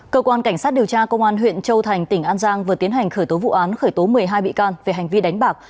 cơ quan cảnh sát điều tra công an huyện châu thành tỉnh an giang vừa tiến hành khởi tố vụ án khởi tố một mươi hai bị can về hành vi đánh bạc